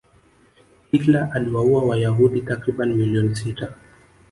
hitler aliwaua wayahudi takribani milioni sita